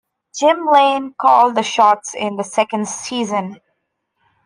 Jim Lane called the shots in the second season.